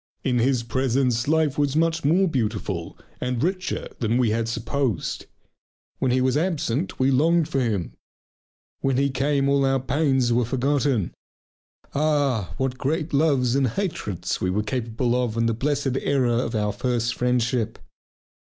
In his presence life was much more beautiful and richer than we had supposed; when he was absent we longed for him. When he came all our pains were forgotten. Ah, what great loves and hatreds we were capable of in the blessed era of our first friendship!